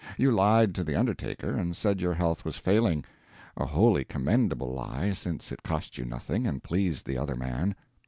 You lied to the undertaker, and said your health was failing a wholly commendable lie, since it cost you nothing and pleased the other man.